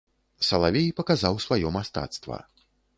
Салавей паказаў сваё мастацтва.